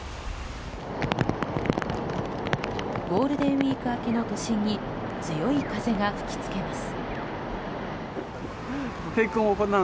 ゴールデンウィーク明けの都心に強い風が吹きつけます。